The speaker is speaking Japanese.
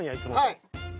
はい。